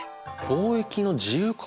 貿易の自由化？